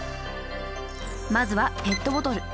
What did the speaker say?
まずはペットボトル。